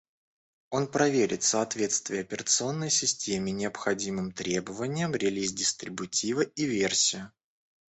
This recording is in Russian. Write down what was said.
Он проверит соответствие операционной системе необходимым требованиям, релиз дистрибутива и версию